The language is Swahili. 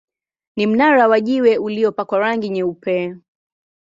Ni mnara wa jiwe uliopakwa rangi nyeupe.